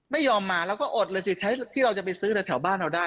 ไม่ยอมมาเราก็อดเลยสิใช้ที่เราจะไปซื้อในแถวบ้านเราได้